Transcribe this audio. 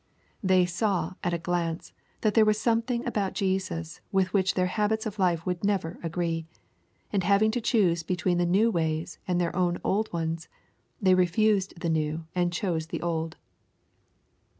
They saw, at a glance, that there was something about Jesus with which their habits of life would never agree, and having to choose between the new ways and their own old ones, they refused the new and chose the old.